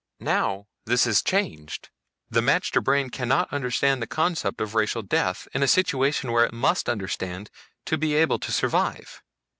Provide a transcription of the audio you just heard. Now this is changed. The magter brain cannot understand the concept of racial death, in a situation where it must understand to be able to survive.